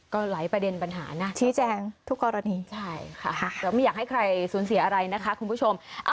ก็หลายประเด็นปัญหานะชี้แจงทุกกรณีใช่ค่ะแต่ไม่อยากให้ใครสูญเสียอะไรนะคะคุณผู้ชม